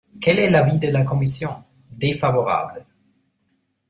Quel est l’avis de la commission ? Défavorable.